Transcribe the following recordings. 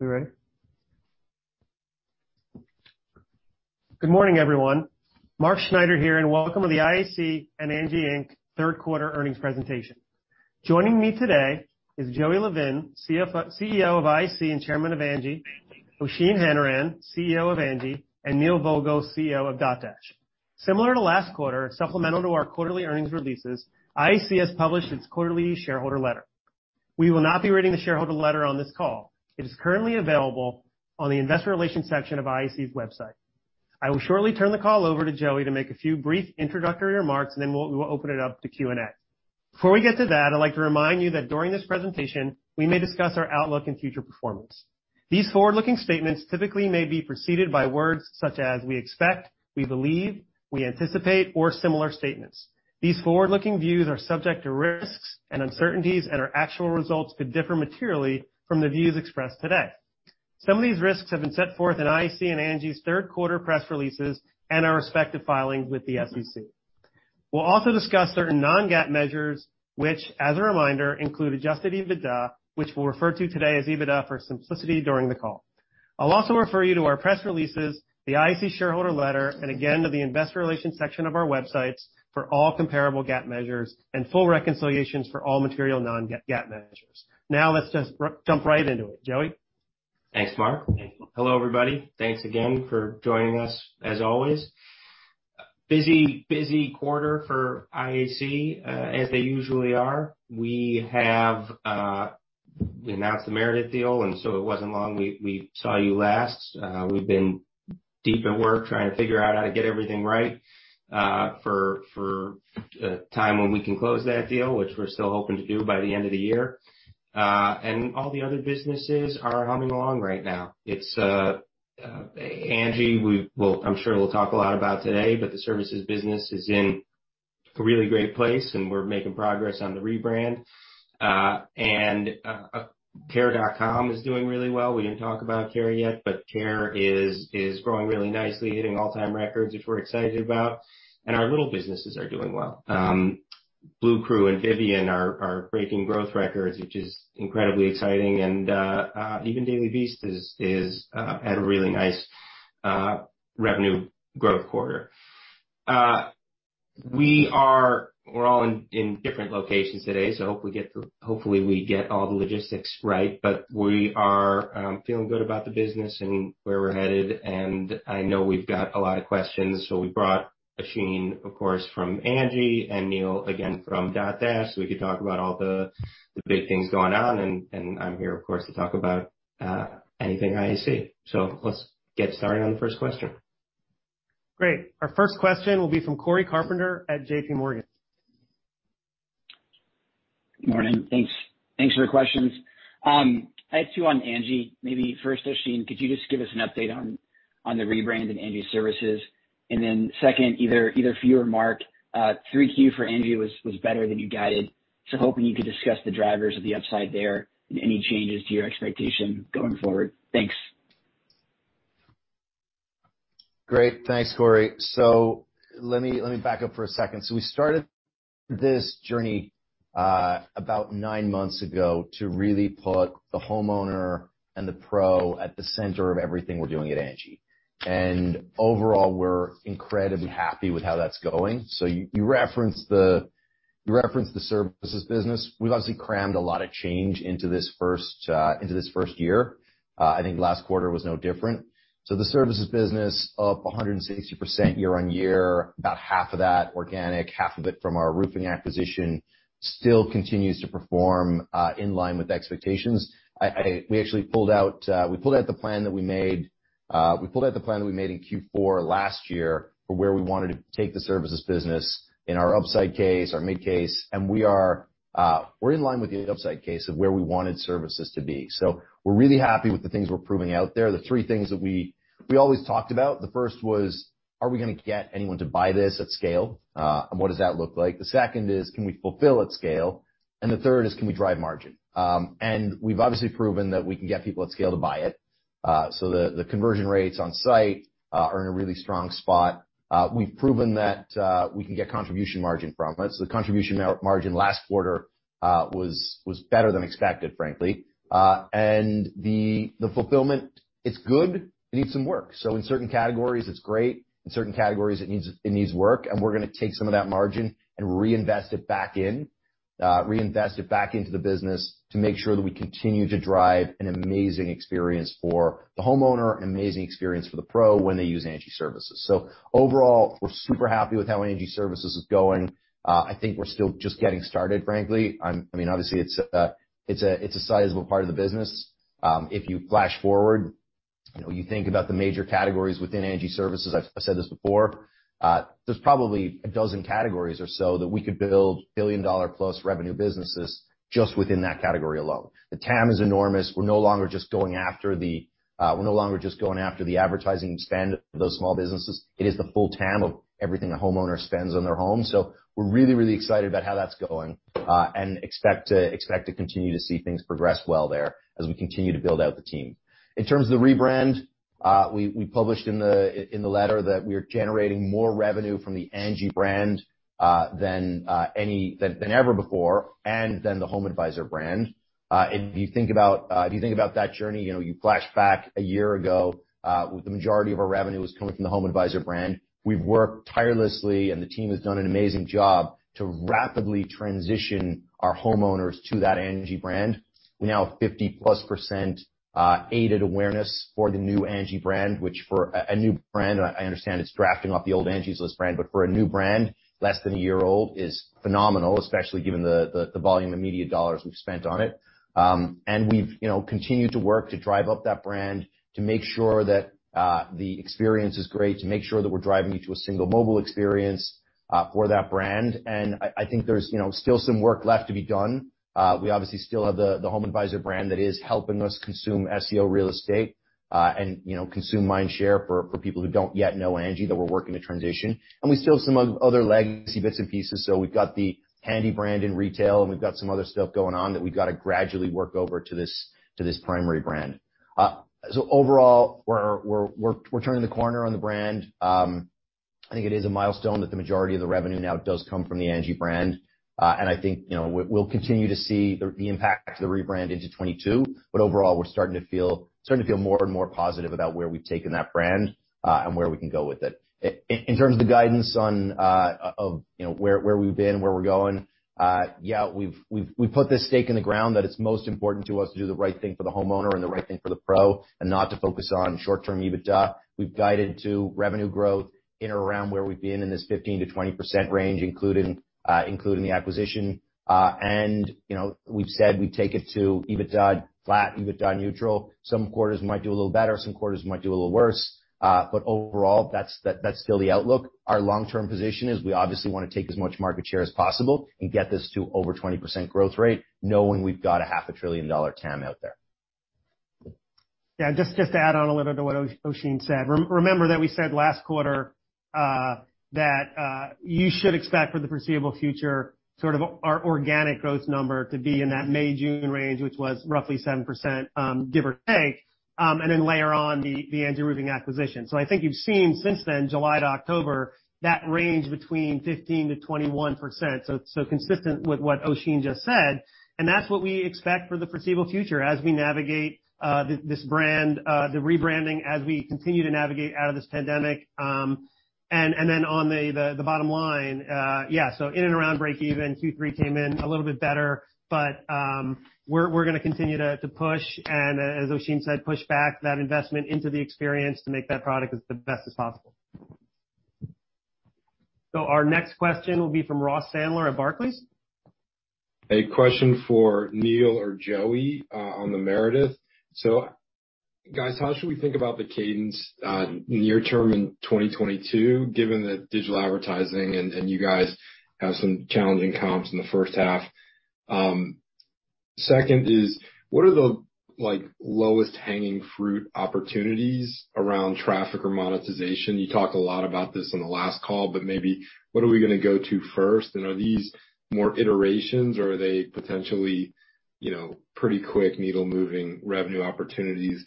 We ready? Good morning, everyone. Mark Schneider here, and welcome to the IAC and Angi Inc. third quarter earnings presentation. Joining me today is Joey Levin, CEO of IAC and Chairman of Angi, Oisin Hanrahan, CEO of Angi, and Neil Vogel, CEO of Dotdash. Similar to last quarter, supplemental to our quarterly earnings releases, IAC has published its quarterly shareholder letter. We will not be reading the shareholder letter on this call. It is currently available on the investor relations section of IAC's website. I will shortly turn the call over to Joey to make a few brief introductory remarks, and then we will open it up to Q&A. Before we get to that, I'd like to remind you that during this presentation, we may discuss our outlook and future performance. These forward-looking statements typically may be preceded by words such as we expect, we believe, we anticipate, or similar statements. These forward-looking views are subject to risks and uncertainties, and our actual results could differ materially from the views expressed today. Some of these risks have been set forth in IAC and Angi's third quarter press releases and our respective filings with the SEC. We'll also discuss certain non-GAAP measures, which, as a reminder, include adjusted EBITDA, which we'll refer to today as EBITDA for simplicity during the call. I'll also refer you to our press releases, the IAC shareholder letter, and again, to the investor relations section of our websites for all comparable GAAP measures and full reconciliations for all material non-GAAP measures. Now let's just jump right into it. Joey? Thanks, Mark. Hello, everybody. Thanks again for joining us as always. Busy quarter for IAC, as they usually are. We have announced the Meredith deal, and so it wasn't long we saw you last. We've been deep at work trying to figure out how to get everything right, for a time when we can close that deal, which we're still hoping to do by the end of the year. And all the other businesses are humming along right now. It's Angi, I'm sure we'll talk a lot about today, but the services business is in a really great place, and we're making progress on the rebrand. And Care.com is doing really well. We didn't talk about Care yet, but Care is growing really nicely, hitting all-time records, which we're excited about, and our little businesses are doing well. Bluecrew and Vivian are breaking growth records, which is incredibly exciting. Even The Daily Beast is at a really nice revenue growth quarter. We're all in different locations today, so I hope we get all the logistics right. We are feeling good about the business and where we're headed, and I know we've got a lot of questions, so we brought Oisin, of course, from Angi, and Neil, again, from Dotdash, so we can talk about all the big things going on, and I'm here, of course, to talk about anything IAC. Let's get started on the first question. Great. Our first question will be from Cory Carpenter at JPMorgan. Morning. Thanks. Thanks for the questions. I had two on Angi. Maybe first, Oisin, could you just give us an update on the rebrand in Angi Services? Then second, either for you or Mark, 3Q for Angi was better than you guided, so hoping you could discuss the drivers of the upside there and any changes to your expectation going forward. Thanks. Great. Thanks, Cory. Let me back up for a second. We started this journey about nine months ago to really put the homeowner and the pro at the center of everything we're doing at Angi. Overall, we're incredibly happy with how that's going. You referenced the services business. We've obviously crammed a lot of change into this first year. I think last quarter was no different. The services business up 160% year-over-year, about half of that organic, half of it from our roofing acquisition, still continues to perform in line with expectations. We actually pulled out the plan that we made in Q4 last year for where we wanted to take the services business in our upside case, our mid case, and we're in line with the upside case of where we wanted services to be. We're really happy with the things we're proving out there. The three things that we always talked about, the first was, are we gonna get anyone to buy this at scale, and what does that look like? The second is, can we fulfill at scale? And the third is, can we drive margin? And we've obviously proven that we can get people at scale to buy it. The conversion rates on site are in a really strong spot. We've proven that we can get contribution margin from it. The contribution margin last quarter was better than expected, frankly. The fulfillment, it's good. It needs some work. In certain categories, it's great. In certain categories, it needs work, and we're gonna take some of that margin and reinvest it back into the business to make sure that we continue to drive an amazing experience for the homeowner, an amazing experience for the pro when they use Angi Services. Overall, we're super happy with how Angi Services is going. I think we're still just getting started, frankly. I mean, obviously, it's a sizable part of the business. If you flash forward, you know, you think about the major categories within Angi Services. I've said this before. There's probably a dozen categories or so that we could build billion-dollar-plus revenue businesses just within that category alone. The TAM is enormous. We're no longer just going after the advertising spend of those small businesses. It is the full TAM of everything a homeowner spends on their home. We're really, really excited about how that's going, and expect to continue to see things progress well there as we continue to build out the team. In terms of the rebrand, we published in the letter that we are generating more revenue from the Angi brand than ever before, and than the HomeAdvisor brand. If you think about that journey, you know, you flash back a year ago, with the majority of our revenue coming from the HomeAdvisor brand. We've worked tirelessly, and the team has done an amazing job to rapidly transition our homeowners to that Angi brand. We now have 50%+ aided awareness for the new Angi brand, which for a new brand, I understand it's drafting off the old Angie's List brand, but for a new brand less than a year old is phenomenal, especially given the volume of media dollars we've spent on it. We've, you know, continued to work to drive up that brand to make sure that the experience is great, to make sure that we're driving you to a single mobile experience for that brand. I think there's you know still some work left to be done. We obviously still have the HomeAdvisor brand that is helping us consume SEO real estate and you know consume mind share for people who don't yet know Angi that we're working to transition. We still have some other legacy bits and pieces, so we've got the Handy brand in retail, and we've got some other stuff going on that we've gotta gradually work over to this primary brand. So overall we're turning the corner on the brand. I think it is a milestone that the majority of the revenue now does come from the Angi brand. I think you know we'll continue to see the impact of the rebrand into 2022. Overall, we're starting to feel more and more positive about where we've taken that brand, and where we can go with it. In terms of the guidance on, of, you know, where we've been, where we're going, yeah, we've put this stake in the ground that it's most important to us to do the right thing for the homeowner and the right thing for the pro and not to focus on short-term EBITDA. We've guided to revenue growth in around where we've been in this 15%-20% range, including the acquisition. You know, we've said we take it to EBITDA flat, EBITDA neutral. Some quarters we might do a little better, some quarters we might do a little worse. Overall, that's still the outlook. Our long-term position is we obviously wanna take as much market share as possible and get this to over 20% growth rate, knowing we've got a half a trillion-dollar TAM out there. Yeah, just to add on a little to what Oisin said. Remember that we said last quarter, you should expect for the foreseeable future, sort of our organic growth number to be in that May-June range, which was roughly 7%, give or take, and then layer on the Angi Roofing acquisition. I think you've seen since then, July to October, that range between 15%-21%. Consistent with what Oisin just said, and that's what we expect for the foreseeable future as we navigate this brand, the rebranding as we continue to navigate out of this pandemic. On the bottom line, in and around break even, Q3 came in a little bit better, but we're gonna continue to push, and as Oisin said, push back that investment into the experience to make that product as the best as possible. Our next question will be from Ross Sandler at Barclays. A question for Neil or Joey on the Meredith. Guys, how should we think about the cadence near term in 2022, given that digital advertising and you guys have some challenging comps in the first half? Second is, what are the like lowest hanging fruit opportunities around traffic or monetization? You talked a lot about this on the last call, but maybe what are we gonna go to first? Are these more iterations, or are they potentially you know pretty quick needle-moving revenue opportunities?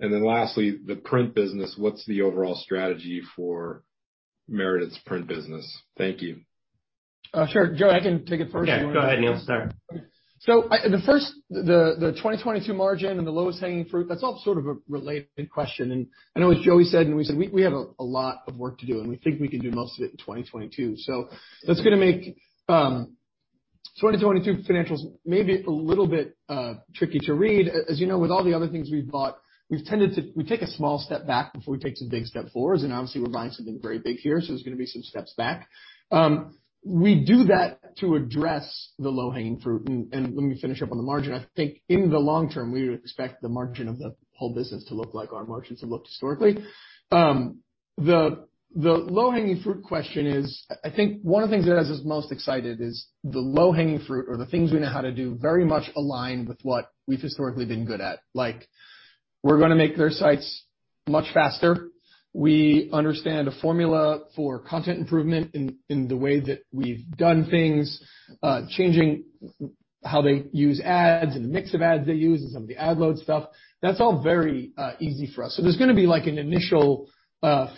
Then lastly, the print business. What's the overall strategy for Meredith's print business? Thank you. Sure. Joey, I can take it first if you want. Yeah. Go ahead, Neil. Sorry. The 2022 margin and the low-hanging fruit, that's all sort of a related question. I know as Joey said, we said, we have a lot of work to do, and we think we can do most of it in 2022. That's gonna make 2022 financials maybe a little bit tricky to read. As you know, with all the other things we've bought, we've tended to take a small step back before we take some big step forwards, and obviously, we're buying something very big here, so there's gonna be some steps back. We do that to address the low-hanging fruit. Let me finish up on the margin. I think in the long term, we would expect the margin of the whole business to look like our margins have looked historically. The low-hanging fruit question is, I think one of the things that has us most excited is the low-hanging fruit or the things we know how to do very much align with what we've historically been good at. Like, we're gonna make their sites much faster. We understand a formula for content improvement in the way that we've done things, changing how they use ads and the mix of ads they use and some of the ad load stuff. That's all very easy for us. So there's gonna be like an initial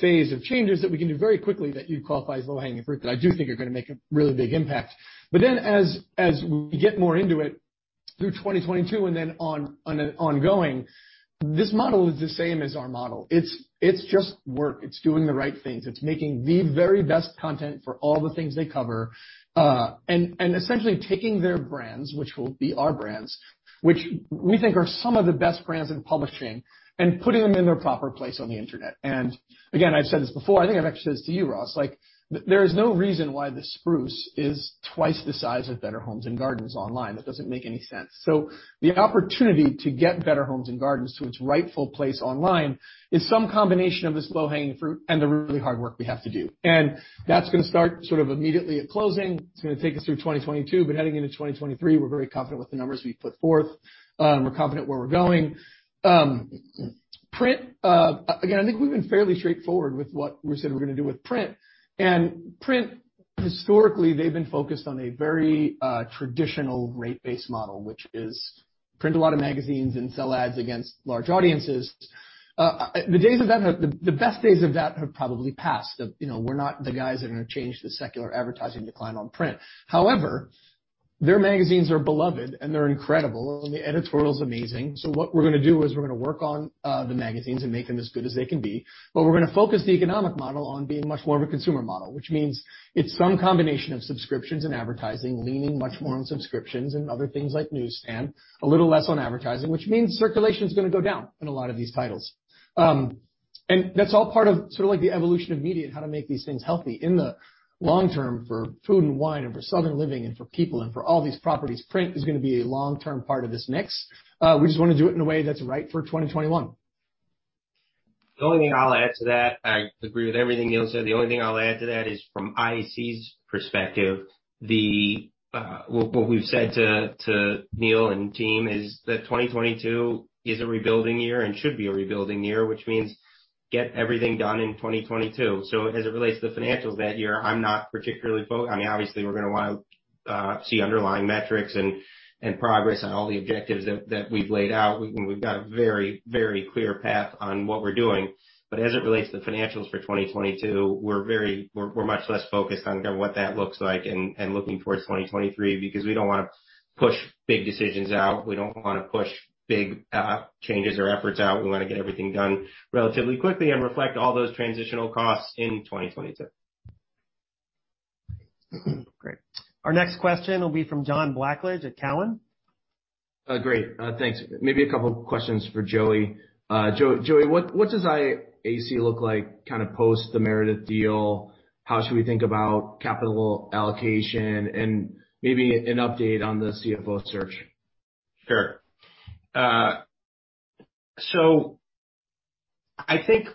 phase of changes that we can do very quickly that you'd qualify as low-hanging fruit that I do think are gonna make a really big impact. As we get more into it through 2022 and then ongoing, this model is the same as our model. It's just work. It's doing the right things. It's making the very best content for all the things they cover and essentially taking their brands, which will be our brands, which we think are some of the best brands in publishing, and putting them in their proper place on the internet. Again, I've said this before, I think I've actually said this to you, Ross. There is no reason why The Spruce is twice the size of Better Homes & Gardens online. That doesn't make any sense. The opportunity to get Better Homes & Gardens to its rightful place online is some combination of this low-hanging fruit and the really hard work we have to do. That's gonna start sort of immediately at closing. It's gonna take us through 2022, but heading into 2023, we're very confident with the numbers we've put forth. We're confident where we're going. Print, again, I think we've been fairly straightforward with what we said we're gonna do with print. Print. Historically, they've been focused on a very traditional rate-based model, which is print a lot of magazines and sell ads against large audiences. The best days of that have probably passed. You know, we're not the guys that are gonna change the secular advertising decline on print. However, their magazines are beloved, and they're incredible, and the editorial's amazing. What we're gonna do is we're gonna work on the magazines and make them as good as they can be, but we're gonna focus the economic model on being much more of a consumer model, which means it's some combination of subscriptions and advertising, leaning much more on subscriptions and other things like newsstand, a little less on advertising, which means circulation's gonna go down in a lot of these titles. And that's all part of sort of like the evolution of media and how to make these things healthy in the long term for Food & Wine and for Southern Living and for People and for all these properties. Print is gonna be a long-term part of this mix. We just wanna do it in a way that's right for 2021. The only thing I'll add to that, I agree with everything Neil said. The only thing I'll add to that is from IAC's perspective, what we've said to Neil and team is that 2022 is a rebuilding year and should be a rebuilding year, which means get everything done in 2022. As it relates to the financials that year, I'm not particularly. I mean, obviously, we're gonna wanna see underlying metrics and progress on all the objectives that we've laid out. We've got a very clear path on what we're doing. As it relates to financials for 2022, we're much less focused on kind of what that looks like and looking towards 2023 because we don't wanna push big decisions out. We don't wanna push big, changes or efforts out. We wanna get everything done relatively quickly and reflect all those transitional costs in 2022. Great. Our next question will be from John Blackledge at Cowen. Great. Thanks. Maybe a couple questions for Joey. Joey, what does IAC look like kinda post the Meredith deal? How should we think about capital allocation? Maybe an update on the CFO search. Sure. I think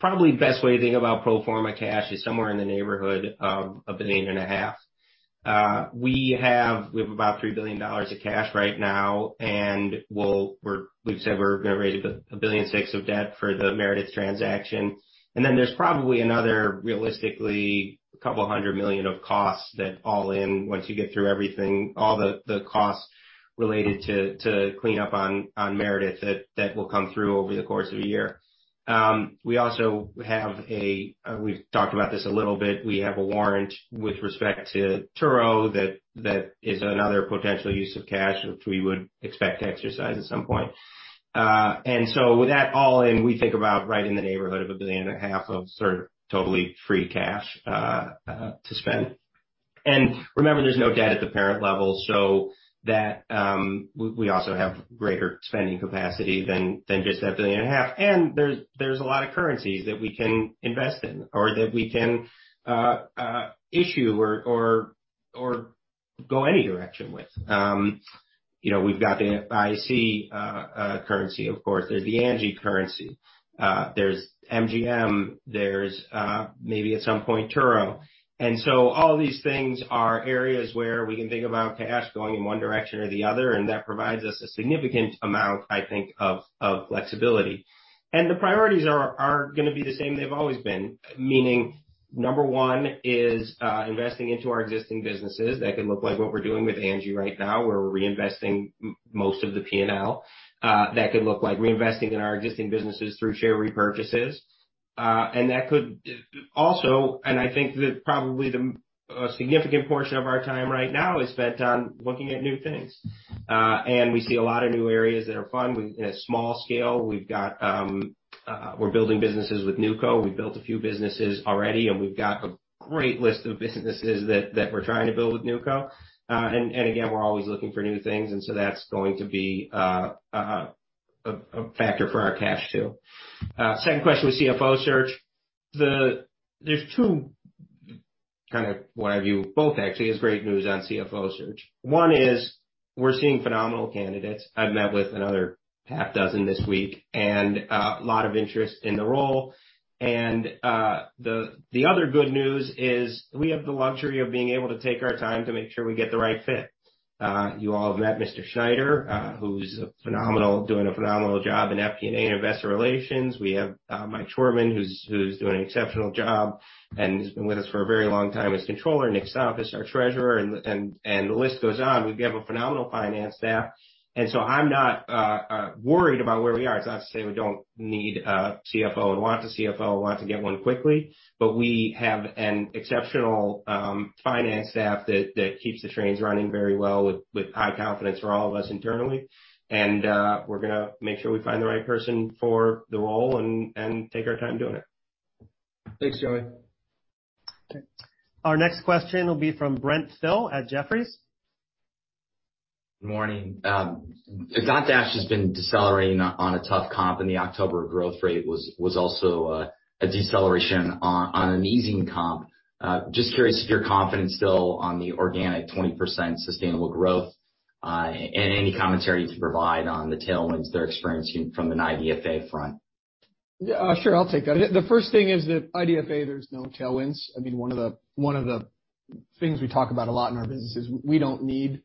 probably best way to think about pro forma cash is somewhere in the neighborhood of $1.5 billion. We have about $3 billion of cash right now, and we've said we're gonna raise $1.6 billion of debt for the Meredith transaction. Then there's probably another, realistically, couple hundred million of costs that all in, once you get through everything, all the costs related to clean up on Meredith that will come through over the course of a year. We also have a warrant with respect to Turo that is another potential use of cash, which we would expect to exercise at some point. With that all in, we think about right in the neighborhood of $1.5 billion of sort of total free cash to spend. Remember, there's no debt at the parent level, so that we also have greater spending capacity than just that $1.5 billion. There's a lot of currencies that we can invest in or that we can issue or go any direction with. You know, we've got the IAC currency, of course. There's the Angi currency. There's MGM. There's maybe at some point Turo. All these things are areas where we can think about cash going in one direction or the other, and that provides us a significant amount, I think, of flexibility. The priorities are gonna be the same they've always been, meaning number 1 is investing into our existing businesses. That could look like what we're doing with Angi right now. We're reinvesting most of the P&L. That could look like reinvesting in our existing businesses through share repurchases. I think that probably a significant portion of our time right now is spent on looking at new things. We see a lot of new areas that are fun. In a small scale, we're building businesses with NewCo. We built a few businesses already, and we've got a great list of businesses that we're trying to build with NewCo. Again, we're always looking for new things, and so that's going to be a factor for our cash too. Second question was CFO search. There's two kinds of what have you. Both actually is great news on CFO search. One is we're seeing phenomenal candidates. I've met with another six this week, and a lot of interest in the role. The other good news is we have the luxury of being able to take our time to make sure we get the right fit. You all have met Mr. Schneider, who's phenomenal, doing a phenomenal job in FP&A and investor relations. We have Michael Schwerdtman, who's doing an exceptional job and has been with us for a very long time as controller. Nick Stoumpas is our treasurer, and the list goes on. We have a phenomenal finance staff, and so I'm not worried about where we are. It's not to say we don't need a CFO and want a CFO and want to get one quickly, but we have an exceptional finance staff that keeps the trains running very well with high confidence for all of us internally. We're gonna make sure we find the right person for the role and take our time doing it. Thanks, Joey. Our next question will be from Brent Thill at Jefferies. Good morning. Dotdash has been decelerating on a tough comp, and the October growth rate was also a deceleration on an easing comp. Just curious if you're confident still on the organic 20% sustainable growth, and any commentary you could provide on the tailwinds they're experiencing from an IDFA front. Yeah. Sure. I'll take that. The first thing is that IDFA, there's no tailwinds. I mean, one of the things we talk about a lot in our business is we don't need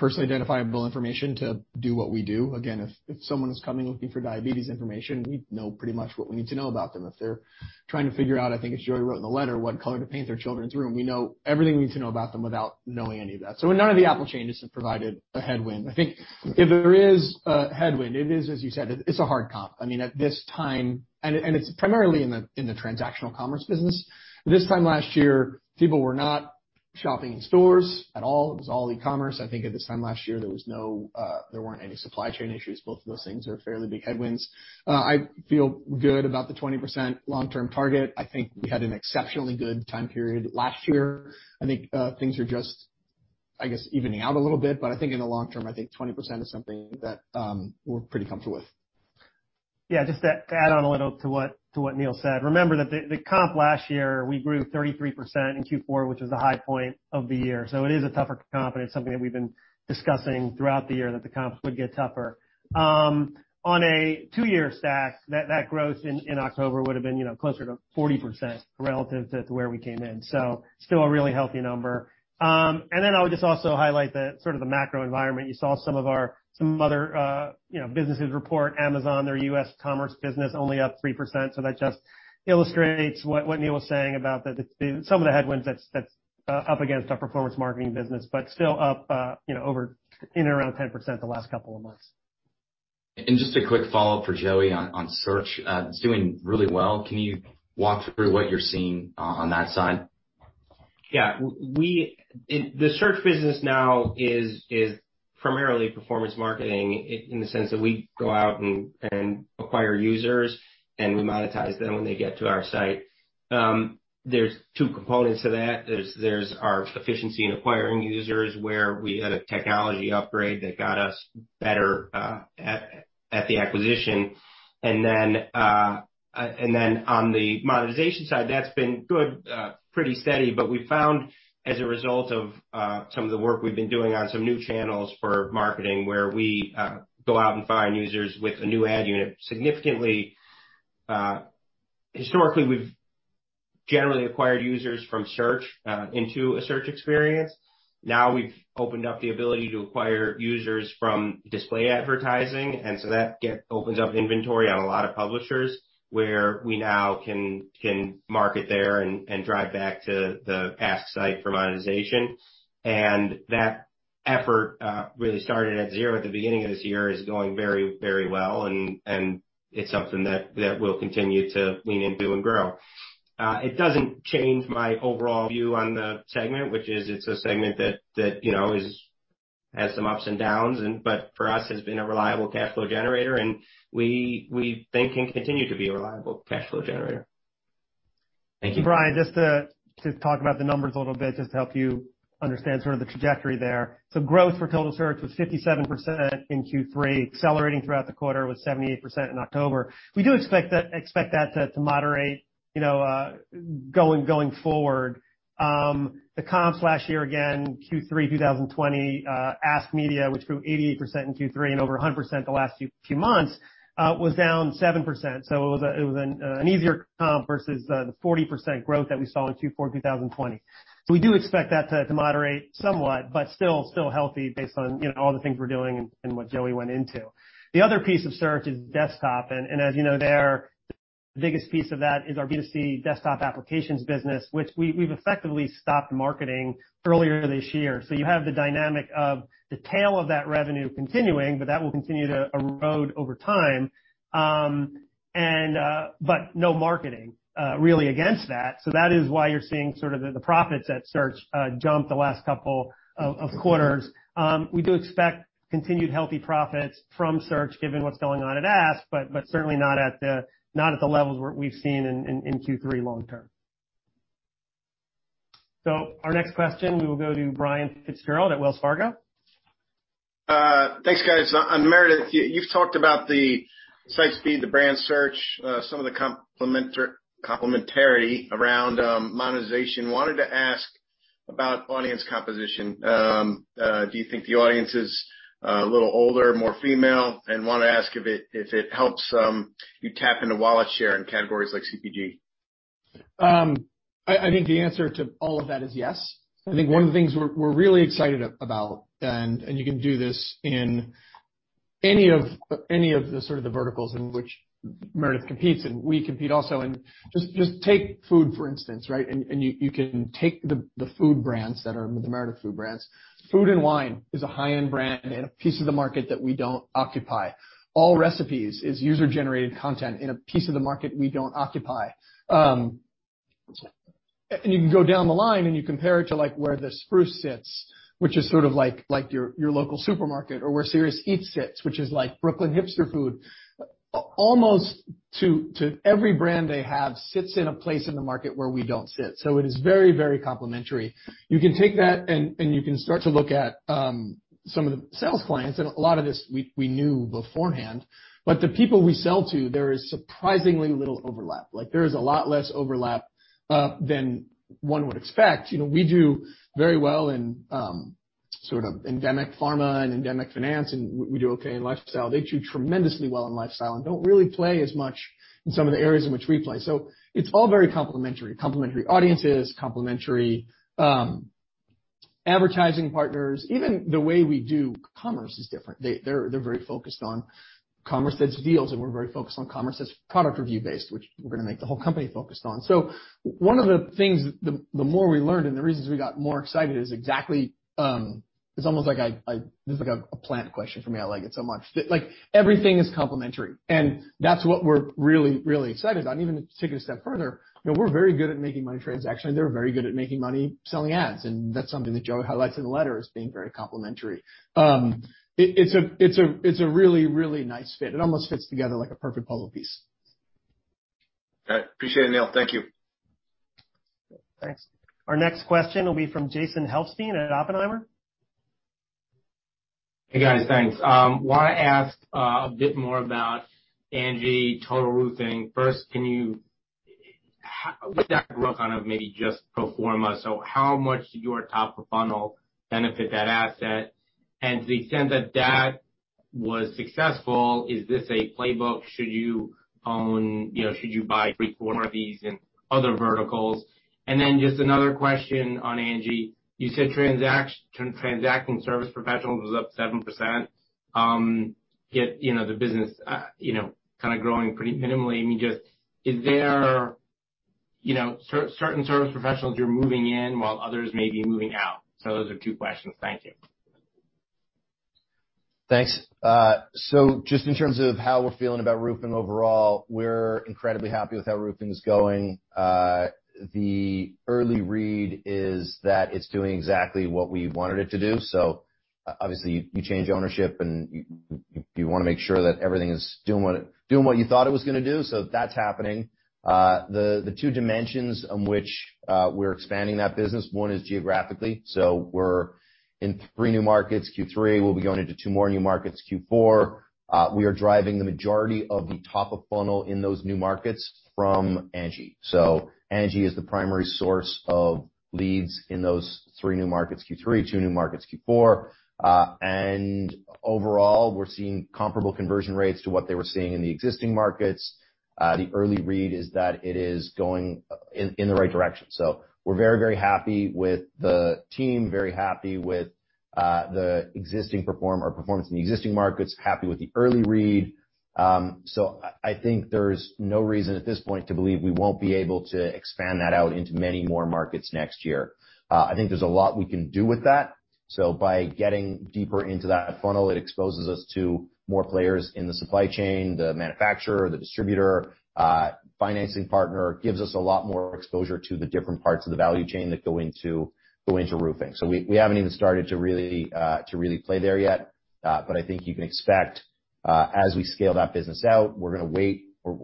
personally identifiable information to do what we do. Again, if someone is coming, looking for diabetes information, we know pretty much what we need to know about them. If they're trying to figure out, I think as Joey wrote in the letter, what color to paint their children's room, we know everything we need to know about them without knowing any of that. So none of the Apple changes have provided a headwind. I think if there is a headwind, it is as you said, it's a hard comp. I mean, at this time, it's primarily in the transactional commerce business. This time last year, people were not shopping in stores at all. It was all e-commerce. I think at this time last year, there was no, there weren't any supply chain issues. Both of those things are fairly big headwinds. I feel good about the 20% long-term target. I think we had an exceptionally good time period last year. I think, things are just, I guess, evening out a little bit, but I think in the long term, I think 20% is something that, we're pretty comfortable with. Yeah. Just to add on a little to what Neil said. Remember that the comp last year, we grew 33% in Q4, which was the high point of the year, so it is a tougher comp, and it's something that we've been discussing throughout the year that the comps would get tougher. On a two-year stack, that growth in October would have been, you know, closer to 40% relative to where we came in, so still a really healthy number. I would just also highlight sort of the macro environment. You saw some of our other, you know, businesses report. Amazon, their U.S. commerce business only up 3%, so that just illustrates what Neil was saying about that it's been some of the headwinds that's up against our performance marketing business, but still up, you know, hovering around 10% the last couple of months. Just a quick follow-up for Joey on search. It's doing really well. Can you walk through what you're seeing on that side? Yeah. The search business now is primarily performance marketing in the sense that we go out and acquire users, and we monetize them when they get to our site. There's two components to that. There's our efficiency in acquiring users, where we had a technology upgrade that got us better at the acquisition. On the monetization side, that's been good, pretty steady. We found, as a result of some of the work we've been doing on some new channels for marketing, where we go out and find users with a new ad unit, significantly. Historically, we've generally acquired users from search into a search experience. Now we've opened up the ability to acquire users from display advertising, and so that opens up inventory on a lot of publishers, where we now can market there and drive back to the Ask site for monetization. That effort really started at zero at the beginning of this year, is going very well and it's something that we'll continue to lean into and grow. It doesn't change my overall view on the segment, which is it's a segment that you know has some ups and downs, but for us has been a reliable cash flow generator, and we think can continue to be a reliable cash flow generator. Thank you. Brian, just to talk about the numbers a little bit, just to help you understand sort of the trajectory there. Growth for total search was 57% in Q3, accelerating throughout the quarter with 78% in October. We do expect that to moderate, you know, going forward. The comps last year, again, Q3 2020, Ask Media, which grew 88% in Q3 and over 100% the last few months, was down 7%. It was an easier comp versus the 40% growth that we saw in Q4 2020. We do expect that to moderate somewhat, but still healthy based on, you know, all the things we're doing and what Joey went into. The other piece of search is desktop. As you know, the biggest piece of that is our B2C desktop applications business, which we've effectively stopped marketing earlier this year. You have the dynamic of the tail of that revenue continuing, but that will continue to erode over time. No marketing really against that. That is why you're seeing the profits at Search jump the last couple of quarters. We do expect continued healthy profits from Search given what's going on at Ask, but certainly not at the levels where we've seen in Q3 long term. Our next question will go to Brian Fitzgerald at Wells Fargo. Thanks, guys. Meredith, you've talked about the site speed, the brand search, some of the complementarity around monetization. Wanted to ask about audience composition. Do you think the audience is a little older, more female? Wanna ask if it helps you tap into wallet share in categories like CPG. I think the answer to all of that is yes. I think one of the things we're really excited about, and you can do this in any of the sort of the verticals in which Meredith competes and we compete also, and just take food, for instance, right? You can take the food brands that are the Meredith food brands. Food & Wine is a high-end brand and a piece of the market we don't occupy. Allrecipes is user-generated content in a piece of the market we don't occupy. You can go down the line, and you compare it to, like, where The Spruce sits, which is sort of like your local supermarket or where Serious Eats sits, which is like Brooklyn hipster food. Almost every brand they have sits in a place in the market where we don't sit. It is very, very complementary. You can take that, and you can start to look at some of the sales clients, and a lot of this we knew beforehand, but the people we sell to, there is surprisingly little overlap. Like, there is a lot less overlap than one would expect. You know, we do very well in Sort of endemic pharma and endemic finance, and we do okay in lifestyle. They do tremendously well in lifestyle and don't really play as much in some of the areas in which we play. It's all very complementary audiences, complementary advertising partners. Even the way we do commerce is different. They're very focused on commerce that's deals, and we're very focused on commerce that's product review-based, which we're gonna make the whole company focused on. One of the things, the more we learned and the reasons we got more excited is exactly. It's almost like a plant question for me. I like it so much. Like, everything is complementary, and that's what we're really, really excited about. Even to take it a step further, you know, we're very good at making money on transactions, and they're very good at making money selling ads, and that's something that Joe highlights in the letter as being very complementary. It's a really nice fit. It almost fits together like a perfect puzzle piece. All right. Appreciate it, Neil. Thank you. Thanks. Our next question will be from Jason Helfstein at Oppenheimer. Hey, guys. Thanks. Wanna ask a bit more about Angi Roofing. First, how would that grow kind of maybe just pro forma? How much did your top of funnel benefit that asset? To the extent that that was successful, is this a playbook? Should you own, you know, should you buy three, four of these in other verticals? Then just another question on Angi. You said transacting service professionals was up 7%. Yet, you know, the business, you know, kinda growing pretty minimally. I mean, just is there, you know, certain service professionals you're moving in while others may be moving out? Those are two questions. Thank you. Thanks. Just in terms of how we're feeling about roofing overall, we're incredibly happy with how roofing is going. The early read is that it's doing exactly what we wanted it to do. Obviously, you change ownership, and you wanna make sure that everything is doing what you thought it was gonna do, so that's happening. The two dimensions on which we're expanding that business, one is geographically. We're in three new markets, Q3. We'll be going into two more new markets, Q4. We are driving the majority of the top of funnel in those new markets from Angi. Angi is the primary source of leads in those three new markets, Q3, two new markets, Q4. Overall, we're seeing comparable conversion rates to what they were seeing in the existing markets. The early read is that it is going in the right direction. We're very happy with the team, very happy with the existing performance in the existing markets, happy with the early read. I think there's no reason at this point to believe we won't be able to expand that out into many more markets next year. I think there's a lot we can do with that. By getting deeper into that funnel, it exposes us to more players in the supply chain, the manufacturer, the distributor, financing partner. Gives us a lot more exposure to the different parts of the value chain that go into roofing. We haven't even started to really play there yet, but I think you can expect, as we scale that business out, we're gonna wait for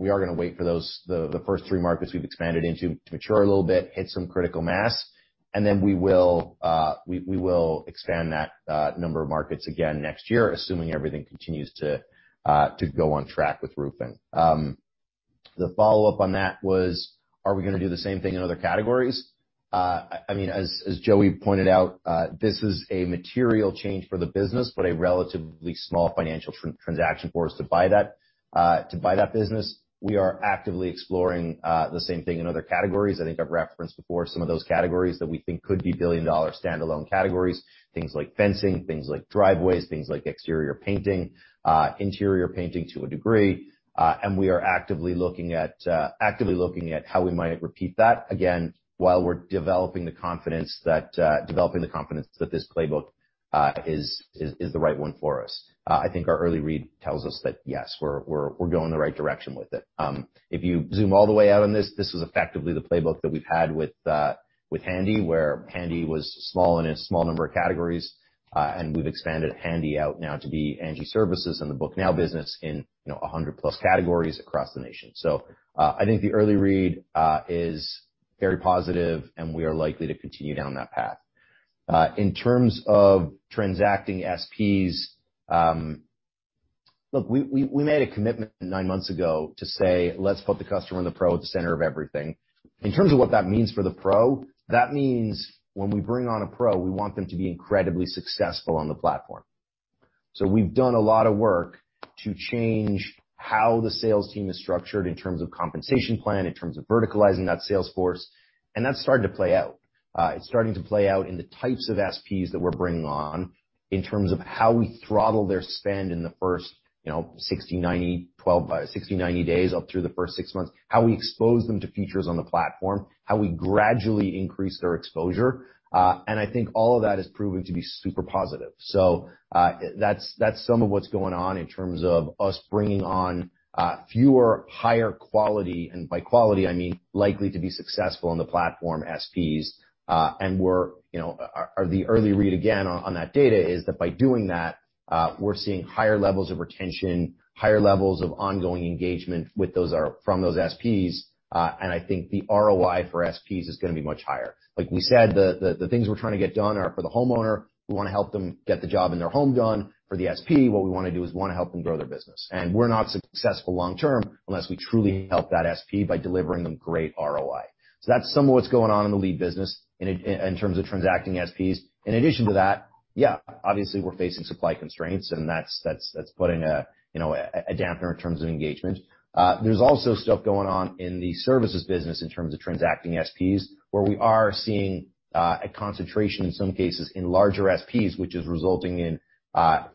the first three markets we've expanded into to mature a little bit, hit some critical mass, and then we will expand that number of markets again next year, assuming everything continues to go on track with roofing. The follow-up on that was, are we gonna do the same thing in other categories? I mean, as Joey pointed out, this is a material change for the business, but a relatively small financial transaction for us to buy that business. We are actively exploring the same thing in other categories. I think I've referenced before some of those categories that we think could be billion-dollar standalone categories, things like fencing, things like driveways, things like exterior painting, interior painting to a degree. We are actively looking at how we might repeat that, again, while we're developing the confidence that this playbook is the right one for us. I think our early read tells us that yes, we're going the right direction with it. If you zoom all the way out on this is effectively the playbook that we've had with Handy, where Handy was small and a small number of categories, and we've expanded Handy out now to be Angi Services and the Book Now business in, you know, 100+ categories across the nation. I think the early read is very positive, and we are likely to continue down that path. In terms of transacting SPs, look, we made a commitment nine months ago to say, "Let's put the customer and the pro at the center of everything." In terms of what that means for the pro, that means when we bring on a pro, we want them to be incredibly successful on the platform. We've done a lot of work to change how the sales team is structured in terms of compensation plan, in terms of verticalizing that sales force, and that's starting to play out. It's starting to play out in the types of SPs that we're bringing on, in terms of how we throttle their spend in the first, you know, 60, 90 days up through the first six months, how we expose them to features on the platform, how we gradually increase their exposure. I think all of that is proving to be super positive. That's some of what's going on in terms of us bringing on fewer higher quality, and by quality, I mean likely to be successful on the platform SPs. We're, you know, the early read again on that data is that by doing that, we're seeing higher levels of retention, higher levels of ongoing engagement from those SPs, and I think the ROI for SPs is gonna be much higher. Like we said, the things we're trying to get done are for the homeowner, we wanna help them get the job in their home done. For the SP, what we wanna do is help them grow their business. We're not successful long term unless we truly help that SP by delivering them great ROI. That's some of what's going on in the lead business in terms of transacting SPs. In addition to that, yeah, obviously we're facing supply constraints, and that's putting a, you know, a dampener in terms of engagement. There's also stuff going on in the services business in terms of transacting SPs, where we are seeing a concentration in some cases in larger SPs, which is resulting in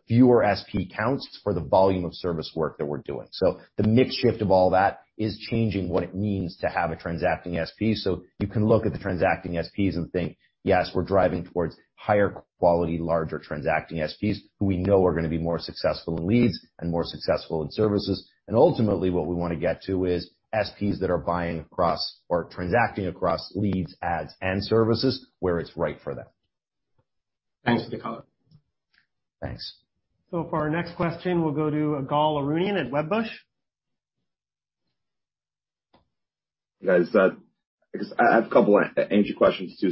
fewer SP counts for the volume of service work that we're doing. The mix shift of all that is changing what it means to have a transacting SP. You can look at the transacting SPs and think, yes, we're driving towards higher quality, larger transacting SPs who we know are gonna be more successful in leads and more successful in services. Ultimately, what we wanna get to is SPs that are buying across or transacting across leads, ads, and services where it's right for them. Thanks for the color. Thanks. For our next question, we'll go to Ygal Arounian at Wedbush. You guys, I guess I have a couple Angi questions too.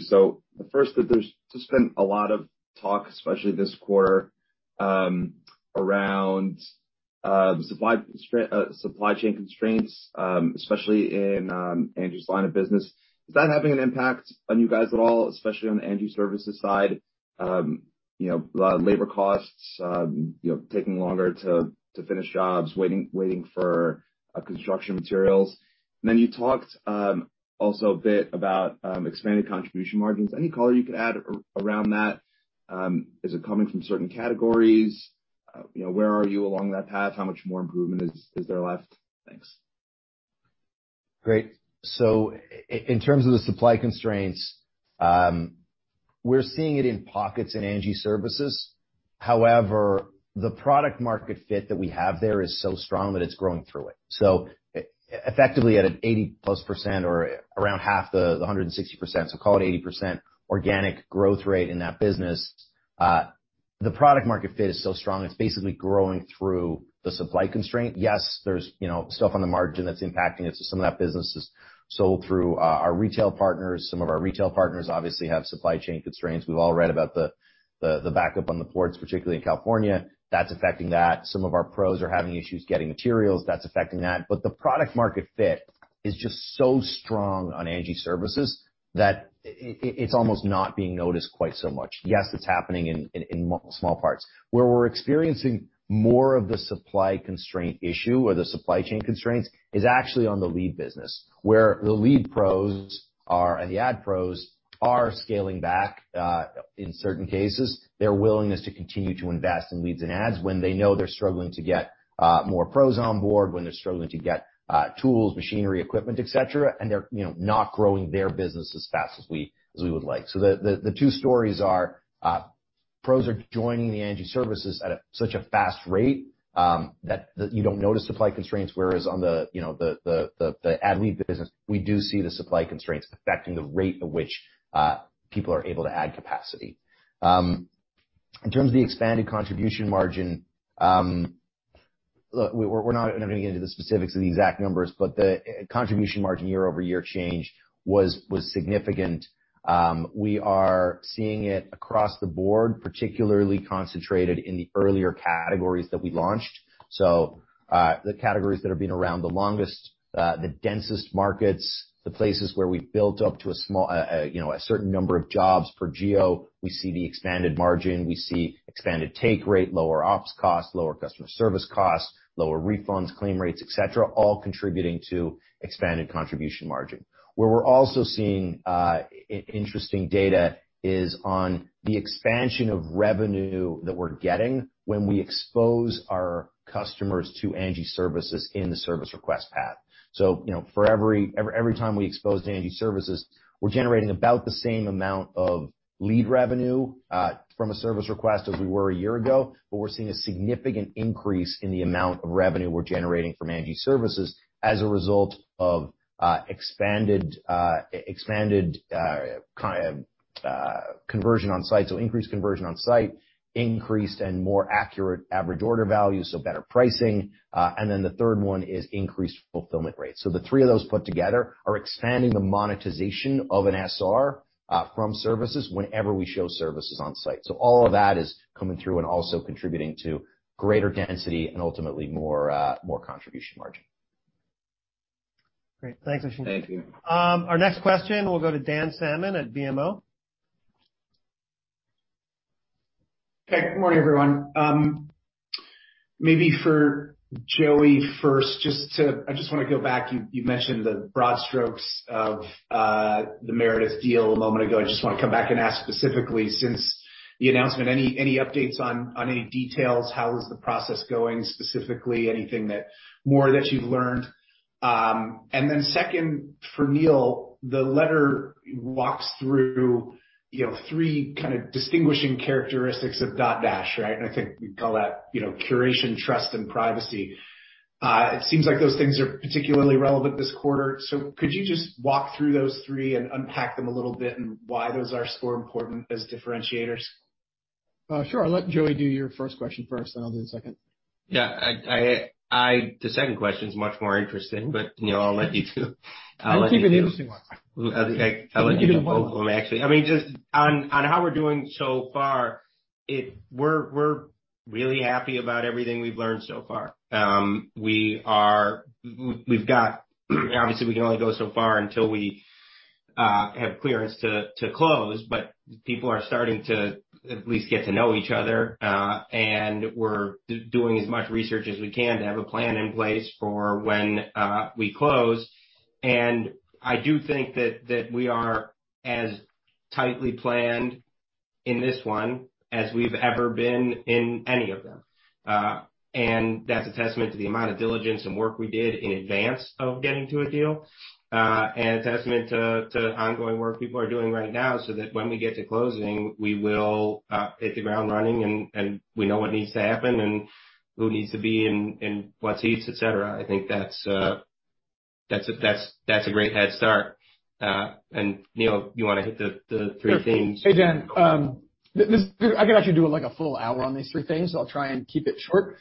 The first is there's just been a lot of talk, especially this quarter, around the supply chain constraints, especially in Angi's line of business. Is that having an impact on you guys at all, especially on the Angi Services side? You know, a lot of labor costs, you know, taking longer to finish jobs, waiting for construction materials. Then you talked also a bit about expanded contribution margins. Any color you could add around that? Is it coming from certain categories? You know, where are you along that path? How much more improvement is there left? Thanks. Great. In terms of the supply constraints, we're seeing it in pockets in Angi Services. However, the product market fit that we have there is so strong that it's growing through it. Effectively at an 80%+ or around half the 160%, so call it 80% organic growth rate in that business, the product market fit is so strong, it's basically growing through the supply constraint. Yes, there's, you know, stuff on the margin that's impacting it. Some of that business is sold through our retail partners. Some of our retail partners obviously have supply chain constraints. We've all read about the backup on the ports, particularly in California. That's affecting that. Some of our pros are having issues getting materials. That's affecting that. The product market fit is just so strong on Angi Services that it's almost not being noticed quite so much. Yes, it's happening in small parts. Where we're experiencing more of the supply constraint issue or the supply chain constraints is actually on the lead business, where the lead pros, the ad pros are scaling back, in certain cases, their willingness to continue to invest in leads and ads when they know they're struggling to get more pros on board, when they're struggling to get tools, machinery, equipment, et cetera, and they're, you know, not growing their business as fast as we would like. The two stories are pros are joining the Angi services at such a fast rate that you don't notice supply constraints, whereas on the, you know, the ad lead business, we do see the supply constraints affecting the rate at which people are able to add capacity. In terms of the expanded contribution margin, look, we're not gonna get into the specifics of the exact numbers, but the contribution margin year-over-year change was significant. We are seeing it across the board, particularly concentrated in the earlier categories that we launched. The categories that have been around the longest, the densest markets, the places where we've built up to a certain number of jobs per geo, we see the expanded margin. We see expanded take rate, lower ops costs, lower customer service costs, lower refunds, claim rates, et cetera, all contributing to expanded contribution margin. Where we're also seeing interesting data is on the expansion of revenue that we're getting when we expose our customers to Angi services in the service request path. You know, every time we expose to Angi services, we're generating about the same amount of lead revenue from a service request as we were a year ago, but we're seeing a significant increase in the amount of revenue we're generating from Angi services as a result of expanded conversion on site, so increased conversion on site, increased and more accurate average order value, so better pricing. The third one is increased fulfillment rates. The three of those put together are expanding the monetization of an SR from services whenever we show services on site. All of that is coming through and also contributing to greater density and ultimately more contribution margin. Great. Thanks, Oisin. Thank you. Our next question will go to Dan Salmon at BMO. Hey, good morning, everyone. Maybe for Joey first, I just wanna go back. You mentioned the broad strokes of the Meredith deal a moment ago. I just wanna come back and ask specifically, since the announcement, any updates on any details? How is the process going specifically? Anything more that you've learned? And then second, for Neil, the letter walks through, you know, three kind of distinguishing characteristics of Dotdash, right? I think we call that, you know, curation, trust, and privacy. It seems like those things are particularly relevant this quarter. Could you just walk through those three and unpack them a little bit and why those are so important as differentiators? Sure. I'll let Joey do your first question first, then I'll do the second. Yeah. The second question is much more interesting, but, you know, I'll let you two- I'll give you the interesting one. I'll let you do both of them, actually. I mean, just on how we're doing so far, we're really happy about everything we've learned so far. Obviously, we can only go so far until we We have clearance to close, but people are starting to at least get to know each other, and we're doing as much research as we can to have a plan in place for when we close. I do think that we are as tightly planned in this one as we've ever been in any of them. That's a testament to the amount of diligence and work we did in advance of getting to a deal. A testament to ongoing work people are doing right now, so that when we get to closing, we will hit the ground running and we know what needs to happen and who needs to be in what seats, et cetera. I think that's a great head start. Neil, you wanna hit the three things? Sure. Hey, Dan. This, I could actually do, like, a full hour on these three things, so I'll try and keep it short.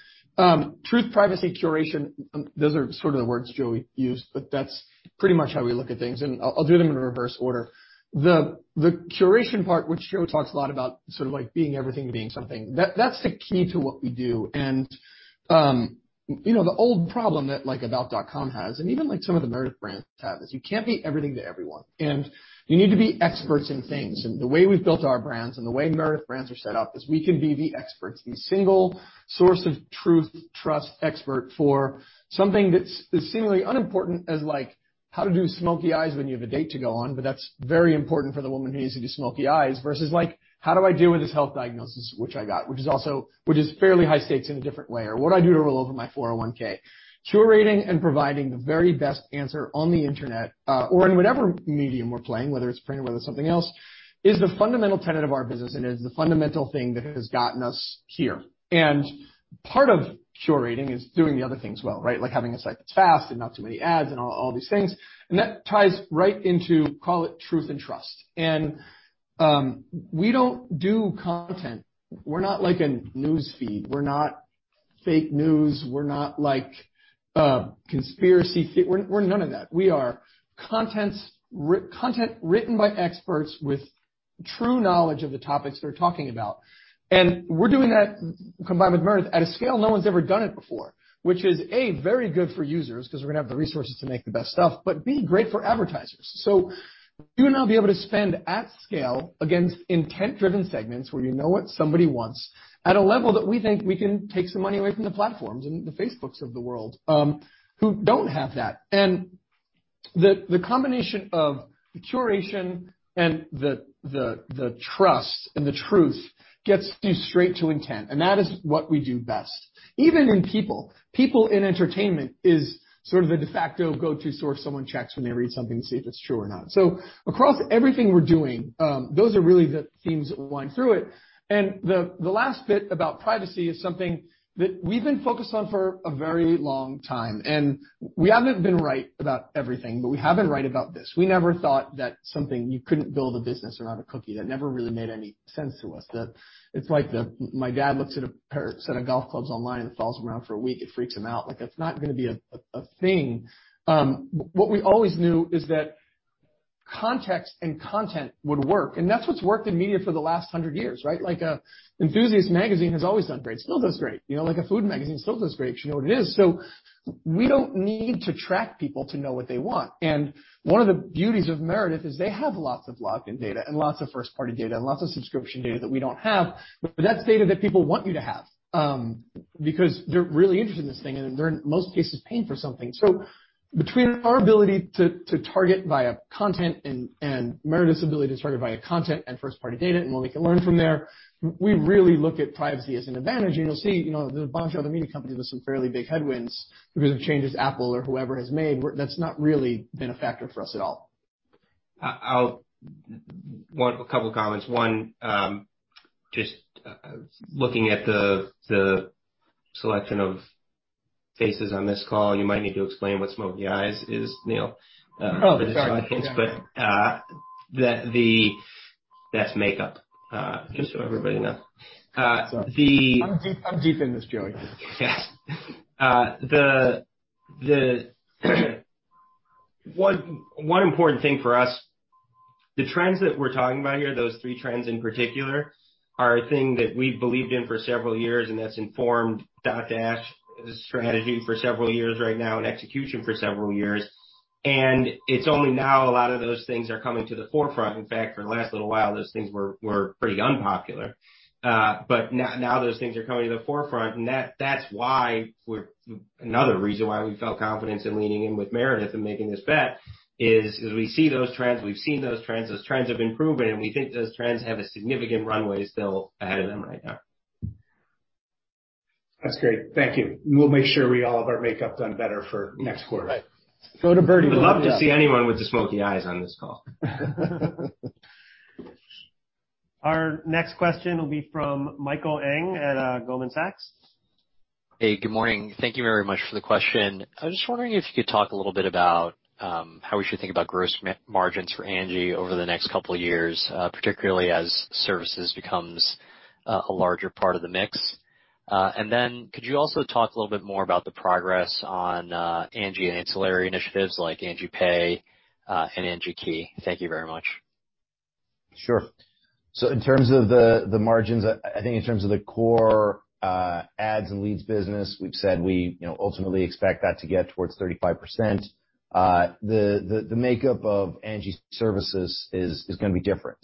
Truth, privacy, curation, those are sort of the words Joey used, but that's pretty much how we look at things, and I'll do them in reverse order. The curation part, which Joey talks a lot about sort of like being everything to being something, that's the key to what we do. You know, the old problem that, like, About.com has, and even like some of the Meredith brands have, is you can't be everything to everyone, and you need to be experts in things. The way we've built our brands and the way Meredith brands are set up is we can be the experts, the single source of truth, trust, expert for something that's seemingly unimportant as, like, how to do smoky eyes when you have a date to go on, but that's very important for the woman who needs to do smoky eyes versus, like, how do I deal with this health diagnosis which I got, which is fairly high stakes in a different way. Or what do I do to roll over my 401(k)? Curating and providing the very best answer on the internet, or in whatever medium we're playing, whether it's print or whether it's something else, is the fundamental tenet of our business and is the fundamental thing that has gotten us here. Part of curating is doing the other things well, right? Like having a site that's fast and not too many ads and all these things. That ties right into, call it truth and trust. We don't do content. We're not like a news feed. We're not fake news. We're none of that. We are content written by experts with true knowledge of the topics they're talking about. We're doing that, combined with Meredith, at a scale no one's ever done it before, which is, A, very good for users because we're gonna have the resources to make the best stuff, but B, great for advertisers. You will now be able to spend at scale against intent-driven segments, where you know what somebody wants, at a level that we think we can take some money away from the platforms and the Facebooks of the world, who don't have that. The combination of curation and the trust and the truth gets you straight to intent, and that is what we do best. Even in People in entertainment is sort of the de facto go-to source someone checks when they read something to see if it's true or not. Across everything we're doing, those are really the themes that wind through it. The last bit about privacy is something that we've been focused on for a very long time. We haven't been right about everything, but we have been right about this. We never thought that something you couldn't build a business around a cookie. That never really made any sense to us. It's like my dad looks at a set of golf clubs online and fools around for a week, it freaks him out. Like, that's not gonna be a thing. What we always knew is that context and content would work, and that's what's worked in media for the last hundred years, right? Like, an enthusiast magazine has always done great, still does great. You know, like, a food magazine still does great because you know what it is. We don't need to track people to know what they want. One of the beauties of Meredith is they have lots of logged-in data and lots of first-party data and lots of subscription data that we don't have, but that's data that people want you to have, because they're really interested in this thing, and they're in most cases, paying for something. Between our ability to target via content and Meredith's ability to target via content and first-party data and what we can learn from there, we really look at privacy as an advantage. You'll see, you know, there's a bunch of other media companies with some fairly big headwinds because of changes Apple or whoever has made. That's not really been a factor for us at all. A couple comments. One, just looking at the selection of faces on this call, you might need to explain what smoky eyes is, Neil. Oh, sorry. For this audience. That's makeup, just so everybody knows. The I'm deep in this, Joey. Yes. The one important thing for us, the trends that we're talking about here, those three trends in particular, are a thing that we believed in for several years, and that's informed Dotdash's strategy for several years right now, and execution for several years. It's only now a lot of those things are coming to the forefront. In fact, for the last little while, those things were pretty unpopular. But now those things are coming to the forefront, and that's why we're another reason why we felt confidence in leaning in with Meredith and making this bet is we see those trends. We've seen those trends. Those trends have been proven, and we think those trends have a significant runway still ahead of them right now. That's great. Thank you. We'll make sure we all have our makeup done better for next quarter. Right. Go to Byrdie We'd love to see anyone with the smoky eyes on this call. Our next question will be from Michael Ng at Goldman Sachs. Hey, good morning. Thank you very much for the question. I was just wondering if you could talk a little bit about how we should think about gross margins for Angi over the next couple of years, particularly as services becomes a larger part of the mix. And then could you also talk a little bit more about the progress on Angi and ancillary initiatives like Angi Pay and Angi Key? Thank you very much. Sure. In terms of the margins, I think in terms of the core ads and leads business, we've said we, you know, ultimately expect that to get towards 35%. The makeup of Angi Services is gonna be different.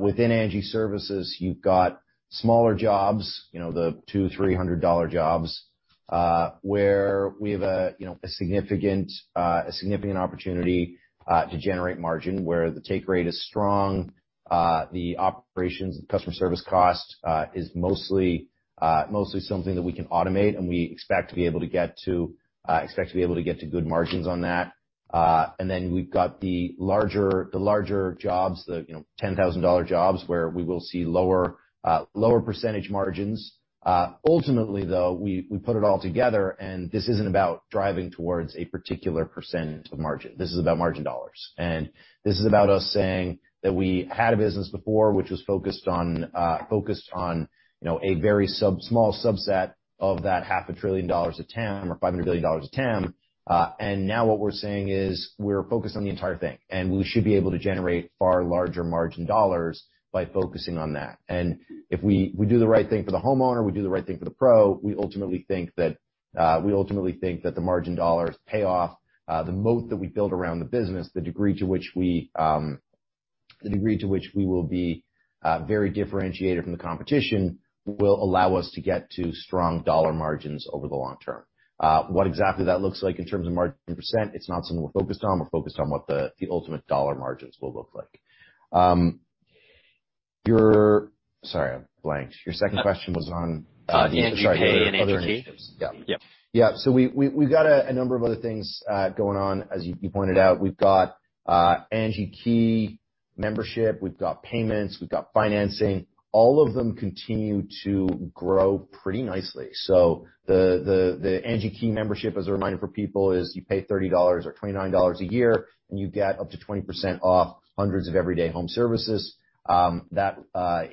Within Angi Services, you've got smaller jobs, you know, the $200-$300 jobs, where we have a significant opportunity to generate margin where the take rate is strong. The operations and customer service cost is mostly something that we can automate, and we expect to be able to get to good margins on that. We've got the larger jobs, you know, $10,000 jobs where we will see lower percentage margins. Ultimately, though, we put it all together and this isn't about driving towards a particular % of margin. This is about margin dollars. This is about us saying that we had a business before which was focused on, you know, a very small subset of that half a trillion dollars of TAM or $500 billion of TAM. Now what we're saying is we're focused on the entire thing, and we should be able to generate far larger margin dollars by focusing on that. If we do the right thing for the homeowner, we do the right thing for the pro, we ultimately think that the margin dollars pay off, the moat that we build around the business, the degree to which we will be very differentiated from the competition will allow us to get to strong dollar margins over the long term. What exactly that looks like in terms of margin percent, it's not something we're focused on. We're focused on what the ultimate dollar margins will look like. Sorry, I'm blank. Your second question was on- The Angi Pay and other initiatives. Yeah. Yeah. Yeah. We've got a number of other things going on, as you pointed out. We've got Angi Key membership, we've got payments, we've got financing. All of them continue to grow pretty nicely. The Angi Key membership, as a reminder for people, is you pay $30 or $29 a year, and you get up to 20% off hundreds of everyday home services. That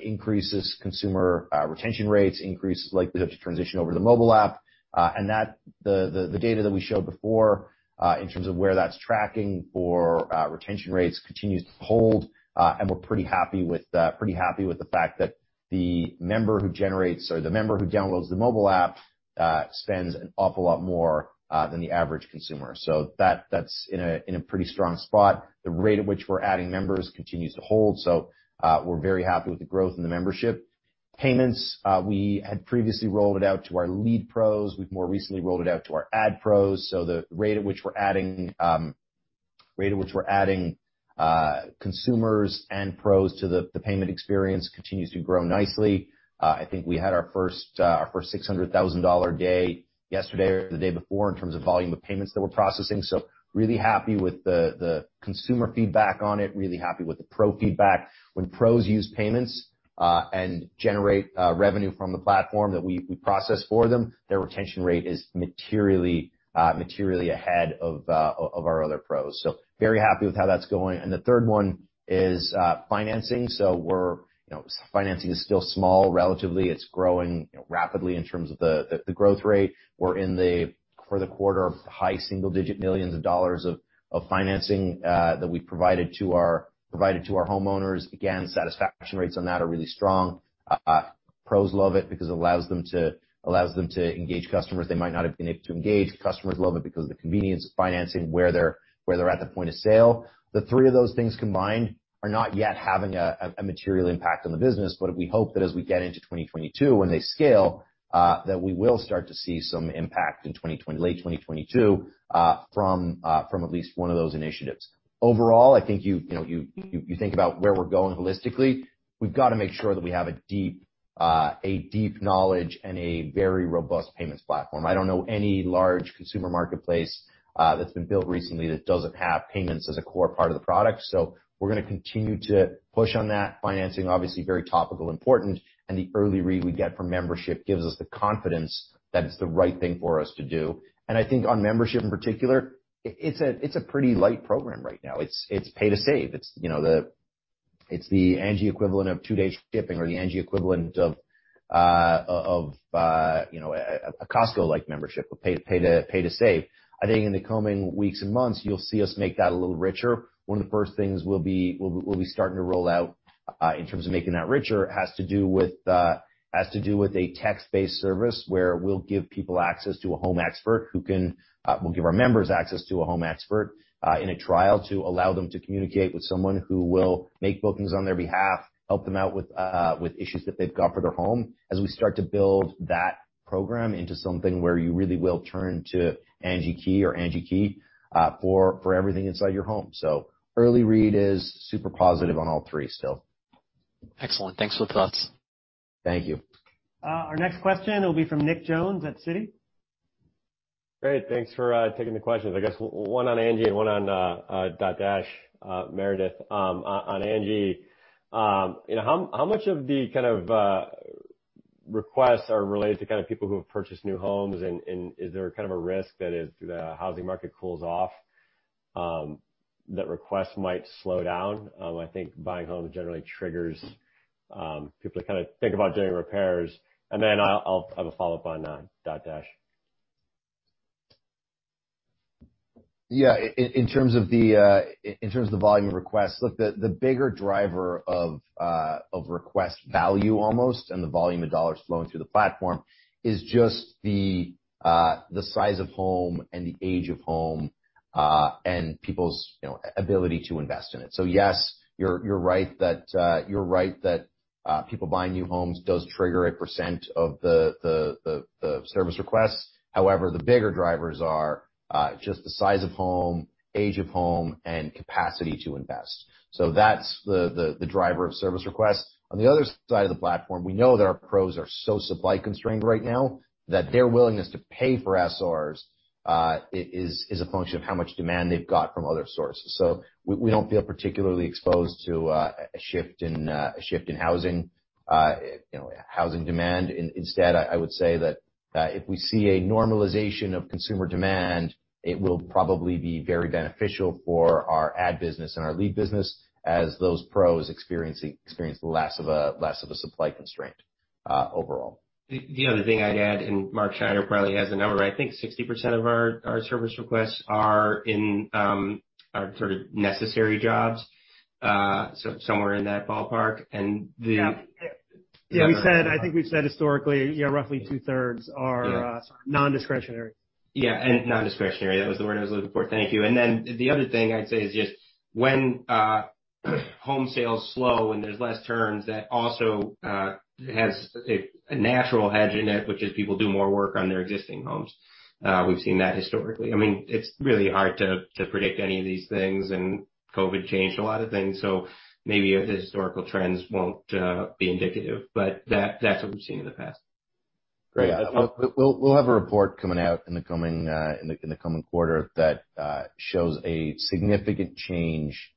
increases consumer retention rates, increases likelihood to transition over to the mobile app. And that the data that we showed before in terms of where that's tracking for retention rates continues to hold. We're pretty happy with the fact that the member who generates or the member who downloads the mobile app spends an awful lot more than the average consumer. That's in a pretty strong spot. The rate at which we're adding members continues to hold, so we're very happy with the growth in the membership. Payments, we had previously rolled it out to our lead pros. We've more recently rolled it out to our ad pros. The rate at which we're adding consumers and pros to the payment experience continues to grow nicely. I think we had our first $600,000 day yesterday or the day before in terms of volume of payments that we're processing. Really happy with the consumer feedback on it, really happy with the pro feedback. When pros use payments and generate revenue from the platform that we process for them, their retention rate is materially ahead of our other pros. Very happy with how that's going. The third one is financing. We're, you know, financing is still small, relatively. It's growing, you know, rapidly in terms of the growth rate. For the quarter, $ high single-digit millions of financing that we provided to our homeowners. Again, satisfaction rates on that are really strong. Pros love it because it allows them to engage customers they might not have been able to engage. Customers love it because of the convenience of financing where they're at the point of sale. The three of those things combined are not yet having a material impact on the business, but we hope that as we get into 2022, when they scale, that we will start to see some impact in late 2022 from at least one of those initiatives. Overall, I think you know, you think about where we're going holistically. We've got to make sure that we have a deep knowledge and a very robust payments platform. I don't know any large consumer marketplace that's been built recently that doesn't have payments as a core part of the product. So we're gonna continue to push on that. Financing, obviously very topical, important, and the early read we get from membership gives us the confidence that it's the right thing for us to do. I think on membership in particular, it's a pretty light program right now. It's pay to save. It's, you know, the Angi equivalent of two-day shipping or the Angi equivalent of a Costco-like membership, but pay to save. I think in the coming weeks and months, you'll see us make that a little richer. One of the first things we'll be starting to roll out in terms of making that richer has to do with a text-based service where we'll give our members access to a home expert in a trial to allow them to communicate with someone who will make bookings on their behalf, help them out with issues that they've got for their home, as we start to build that program into something where you really will turn to Angi Key for everything inside your home. Early read is super positive on all three still. Excellent. Thanks for the thoughts. Thank you. Our next question will be from Nick Jones at Citi. Great. Thanks for taking the questions. I guess one on Angi and one on Dotdash Meredith. On Angi, you know, how much of the kind of requests are related to kind of people who have purchased new homes? Is there kind of a risk that if the housing market cools off, that requests might slow down? I think buying a home generally triggers people to kinda think about doing repairs. I'll have a follow-up on Dotdash. Yeah. In terms of the volume of requests, the bigger driver of request value almost and the volume of dollars flowing through the platform is just the size of home and the age of home, and people's, you know, ability to invest in it. Yes, you're right that people buying new homes does trigger a percent of the service requests. However, the bigger drivers are just the size of home, age of home, and capacity to invest. That's the driver of service requests. On the other side of the platform, we know that our pros are so supply constrained right now that their willingness to pay for SRs is a function of how much demand they've got from other sources. We don't feel particularly exposed to a shift in housing, you know, housing demand. Instead, I would say that if we see a normalization of consumer demand, it will probably be very beneficial for our ad business and our lead business as those pros experience less of a supply constraint overall. The other thing I'd add, and Mark Schneider probably has the number. I think 60% of our service requests are sort of necessary jobs, so somewhere in that ballpark. Yeah, I think we've said historically, yeah, roughly 2/3 are- Yeah. Nondiscretionary. Yeah, nondiscretionary. That was the word I was looking for. Thank you. The other thing I'd say is just when home sales slow and there's less turns, that also has a natural hedge in it, which is people do more work on their existing homes. We've seen that historically. I mean, it's really hard to predict any of these things, and COVID changed a lot of things, so maybe the historical trends won't be indicative, but that's what we've seen in the past. Great. We'll have a report coming out in the coming quarter that shows a significant change in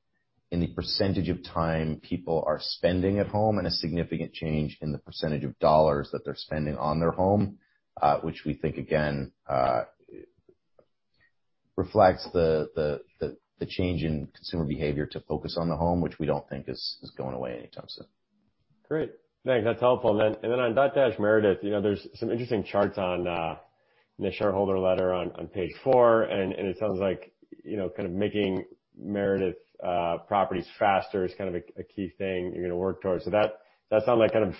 the percentage of time people are spending at home and a significant change in the percentage of dollars that they're spending on their home, which we think again reflects the change in consumer behavior to focus on the home, which we don't think is going away anytime soon. Great. Thanks. That's helpful. On Dotdash Meredith, you know, there's some interesting charts on in the shareholder letter on page 4, and it sounds like, you know, kind of making Meredith properties faster is kind of a key thing you're gonna work towards. That sounds like kind of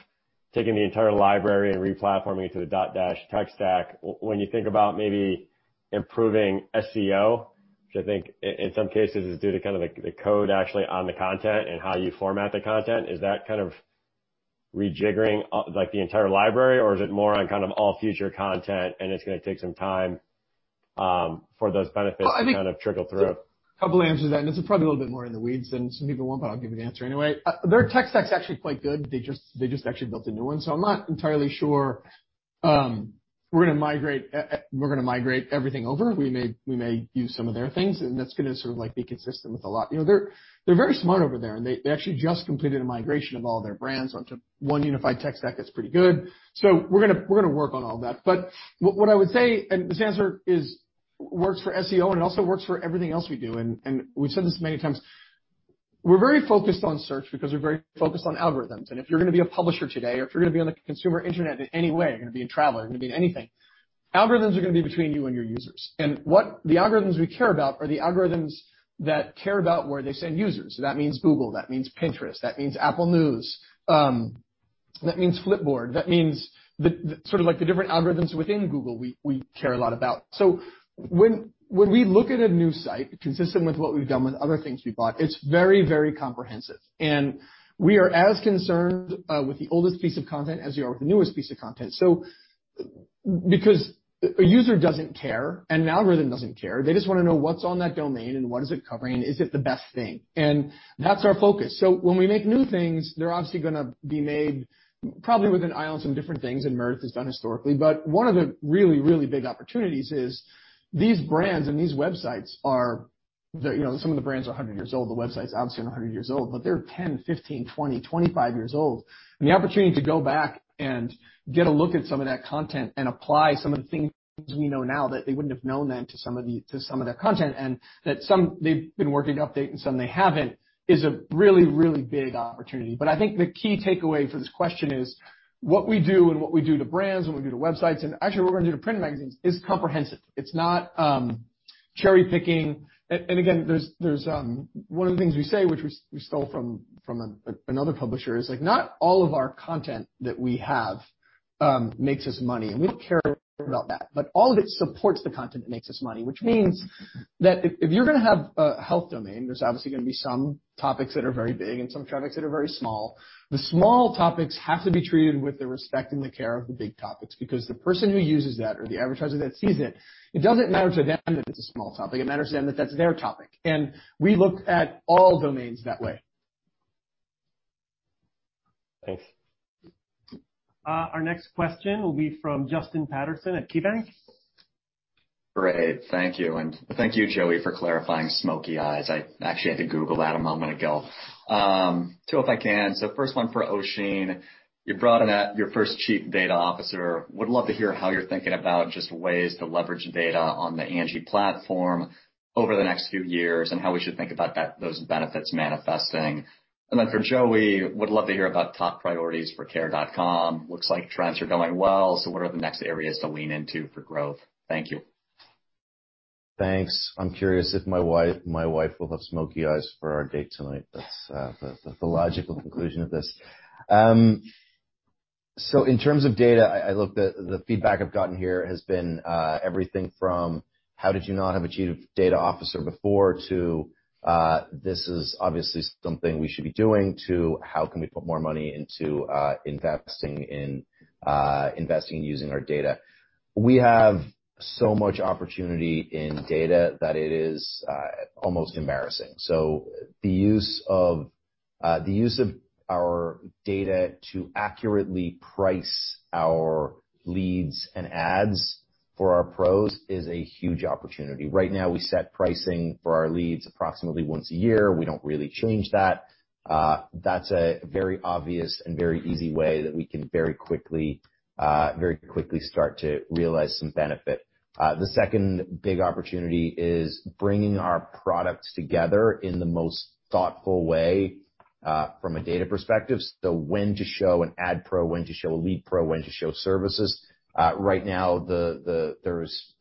taking the entire library and re-platforming it to the Dotdash tech stack. When you think about maybe improving SEO, which I think in some cases is due to kind of like the code actually on the content and how you format the content, is that kind of rejiggering, like, the entire library, or is it more on kind of all future content and it's gonna take some time for those benefits? Well, I think. To kind of trickle through? A couple answers to that, and this is probably a little bit more in the weeds than some people want, but I'll give you the answer anyway. Their tech stack's actually quite good. They just actually built a new one, so I'm not entirely sure we're gonna migrate everything over. We may use some of their things, and that's gonna sort of, like, be consistent with a lot. You know, they're very smart over there, and they actually just completed a migration of all their brands onto one unified tech stack that's pretty good. So we're gonna work on all that. But what I would say, and this answer works for SEO, and it also works for everything else we do. We've said this many times. We're very focused on search because we're very focused on algorithms. If you're gonna be a publisher today or if you're gonna be on the consumer internet in any way, you're gonna be in travel, you're gonna be in anything, algorithms are gonna be between you and your users. What the algorithms we care about are the algorithms that care about where they send users. That means Google. That means Pinterest. That means Apple News. That means Flipboard. That means the sort of like the different algorithms within Google, we care a lot about. When we look at a new site, consistent with what we've done with other things we've bought, it's very, very comprehensive. We are as concerned with the oldest piece of content as we are with the newest piece of content. Because a user doesn't care, and an algorithm doesn't care. They just wanna know what's on that domain, and what is it covering, and is it the best thing? That's our focus. When we make new things, they're obviously gonna be made probably with an eye on some different things than Meredith has done historically. One of the really, really big opportunities is these brands and these websites are the. You know, some of the brands are 100 years old. The websites obviously aren't 100 years old, but they're 10, 15, 20, 25 years old. The opportunity to go back and get a look at some of that content and apply some of the things we know now that they wouldn't have known then to some of their content, and that some they've been working to update and some they haven't, is a really, really big opportunity. I think the key takeaway for this question is what we do and what we do to brands and what we do to websites, and actually what we're gonna do to print magazines, is comprehensive. It's not cherry-picking. Again, there's one of the things we say, which we stole from another publisher is, like, not all of our content that we have makes us money, and we don't care about that. All of it supports the content that makes us money, which means that if you're gonna have a health domain, there's obviously gonna be some topics that are very big and some topics that are very small. The small topics have to be treated with the respect and the care of the big topics because the person who uses that or the advertiser that sees it doesn't matter to them that it's a small topic. It matters to them that that's their topic. We look at all domains that way. Thanks. Our next question will be from Justin Patterson at KeyBanc. Great. Thank you. Thank you, Joey, for clarifying smoky eyes. I actually had to Google that a moment ago. First one for Oisin. You brought in your first chief data officer. Would love to hear how you're thinking about just ways to leverage data on the Angi platform over the next few years and how we should think about that, those benefits manifesting. Then for Joey, would love to hear about top priorities for Care.com. Looks like trends are going well, so what are the next areas to lean into for growth? Thank you. Thanks. I'm curious if my wife will have smoky eyes for our date tonight. That's the logical conclusion of this. In terms of data, I like the feedback I've gotten here has been everything from, "How did you not have a chief data officer before?" to, "This is obviously something we should be doing," to, "How can we put more money into investing in using our data?" We have so much opportunity in data that it is almost embarrassing. The use of our data to accurately price our leads and ads for our pros is a huge opportunity. Right now, we set pricing for our leads approximately once a year. We don't really change that. That's a very obvious and very easy way that we can very quickly start to realize some benefit. The second big opportunity is bringing our products together in the most thoughtful way from a data perspective, when to show an ad pro, when to show a lead pro, when to show services. Right now, there's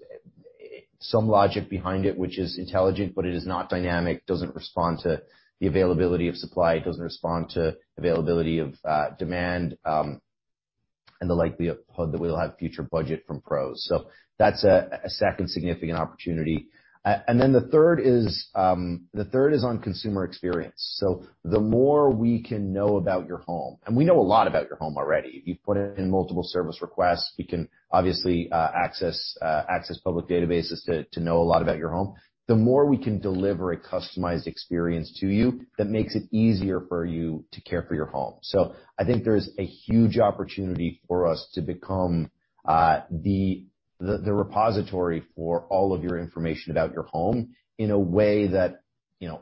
some logic behind it, which is intelligent, but it is not dynamic, doesn't respond to the availability of supply, doesn't respond to availability of demand, and the likelihood that we'll have future budget from pros. That's a second significant opportunity. The third is on consumer experience. The more we can know about your home, and we know a lot about your home already. If you've put in multiple service requests, we can obviously access public databases to know a lot about your home. The more we can deliver a customized experience to you, that makes it easier for you to care for your home. I think there is a huge opportunity for us to become the repository for all of your information about your home in a way that, you know,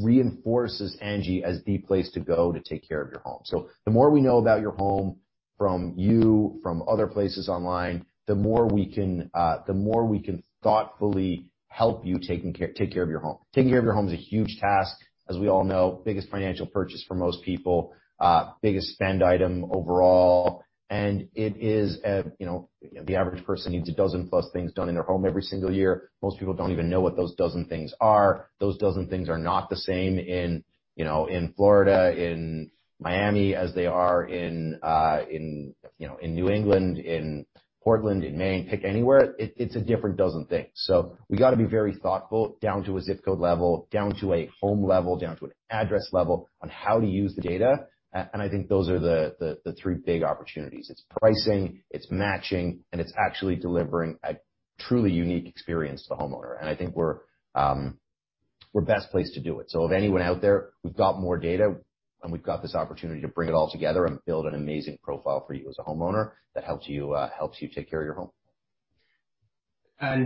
reinforces Angi as the place to go to take care of your home. The more we know about your home from you, from other places online, the more we can thoughtfully help you take care of your home. Taking care of your home is a huge task. As we all know, it's the biggest financial purchase for most people, the biggest spend item overall. It is a, you know, the average person needs a dozen-plus things done in their home every single year. Most people don't even know what those dozen things are. Those dozen things are not the same in, you know, in Florida, in Miami, as they are in, you know, in New England, in Portland, in Maine. Pick anywhere, it's a different dozen things. So we gotta be very thoughtful, down to a ZIP code level, down to a home level, down to an address level, on how to use the data. And I think those are the three big opportunities. It's pricing, it's matching, and it's actually delivering a truly unique experience to the homeowner. And I think we're best placed to do it. Of anyone out there, we've got more data, and we've got this opportunity to bring it all together and build an amazing profile for you as a homeowner that helps you take care of your home.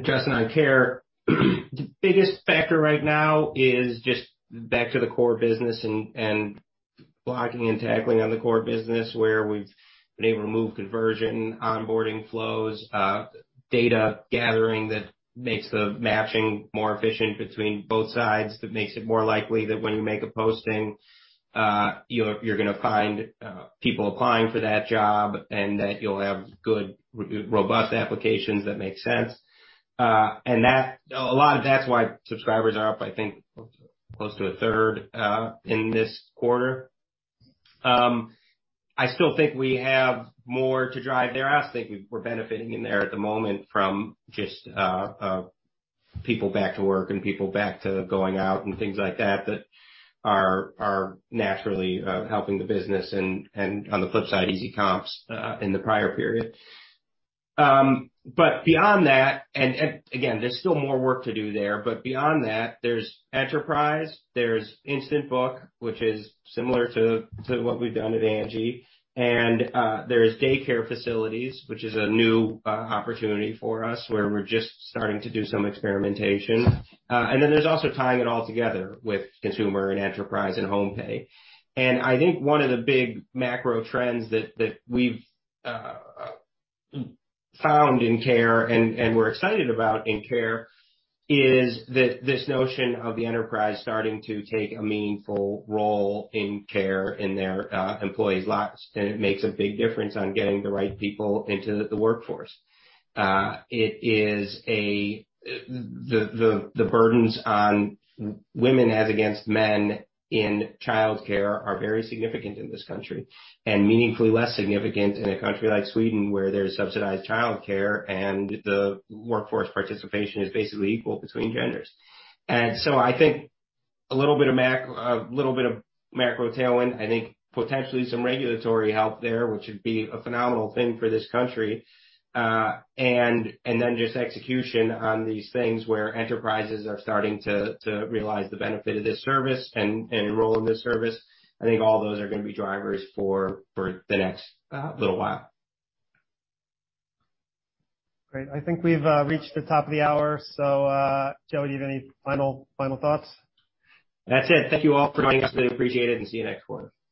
Justin, on Care, the biggest factor right now is just back to the core business and blocking and tackling on the core business where we've been able to move conversion, onboarding flows, data gathering that makes the matching more efficient between both sides, that makes it more likely that when you make a posting, you're gonna find people applying for that job and that you'll have good, robust applications that make sense. And that a lot of that's why subscribers are up, I think, close to a third in this quarter. I still think we have more to drive there. I think we're benefiting in there at the moment from just people back to work and people back to going out and things like that that are naturally helping the business and on the flip side, easy comps in the prior period. Beyond that, and again, there's still more work to do there. Beyond that, there's Enterprise, there's Instant Book, which is similar to what we've done at Angi. There's daycare facilities, which is a new opportunity for us, where we're just starting to do some experimentation. Then there's also tying it all together with consumer and enterprise and home pay. I think one of the big macro trends that we've found in Care and we're excited about in Care is this notion of the enterprise starting to take a meaningful role in Care in their employees' lives. It makes a big difference on getting the right people into the workforce. It is. The burdens on women as against men in childcare are very significant in this country and meaningfully less significant in a country like Sweden, where there's subsidized childcare and the workforce participation is basically equal between genders. I think a little bit of macro tailwind. I think potentially some regulatory help there, which would be a phenomenal thing for this country. Just execution on these things where enterprises are starting to realize the benefit of this service and enroll in this service. I think all those are gonna be drivers for the next little while. Great. I think we've reached the top of the hour. Joey, you have any final thoughts? That's it. Thank you all for joining us. Really appreciate it, and see you next quarter.